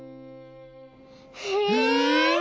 へえ！